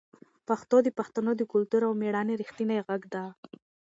پښتو د پښتنو د کلتور او مېړانې رښتینې غږ ده.